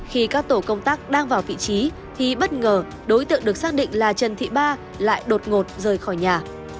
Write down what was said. khi các tổ công tác đang vào vị trí thì bất ngờ đối tượng được xác định là trần thị ba lại đột ngột rời khỏi nhà